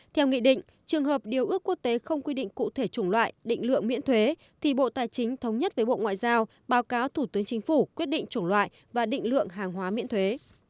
theo nghị định trường hợp điều ước quốc tế không quy định cụ thể chủng loại định lượng miễn thuế thì bộ tài chính thống nhất với bộ ngoại giao báo cáo thủ tướng chính phủ quyết định chủng loại và định lượng hàng hóa miễn thuế